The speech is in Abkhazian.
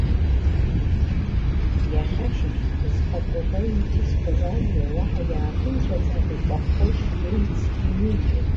Иахьа ашьыжь, зхы атруба иҩҭызхыз алҩа, уаҳа иааԥымҵәаӡакәа, икахәхәа ишҩеиц иҩеиуеит.